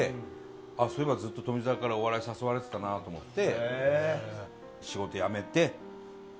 あっそういえばずっと富澤からお笑い誘われてたなと思って。